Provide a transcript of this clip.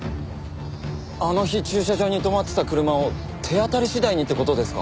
あの日駐車場に止まっていた車を手当たり次第にって事ですか？